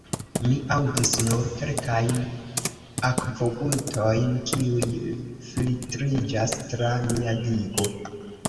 Mi aŭdis nur kelkajn akvogutojn, kiuj filtriĝas tra mia digo.